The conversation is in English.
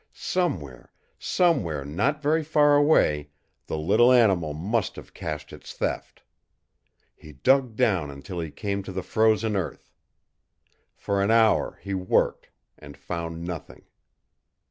Somewhere somewhere not very far away the little animal must have cached its theft. He dug down until he came to the frozen earth. For an hour he worked and found nothing.